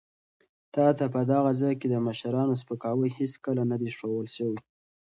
تا ته په دغه ځای کې د مشرانو سپکاوی هېڅکله نه دی ښوول شوی.